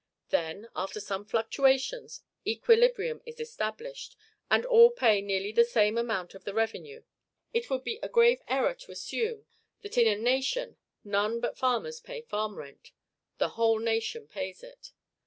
Then, after some fluctuations, equilibrium is established, and all pay nearly the same amount of the revenue. It would be a grave error to assume that in a nation none but farmers pay farm rent the whole nation pays it.